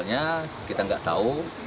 soalnya kita tidak tahu